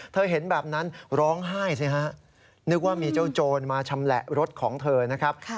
เธอเห็นแบบนั้นร้องไห้สิฮะนึกว่ามีเจ้าโจรมาชำแหละรถของเธอนะครับ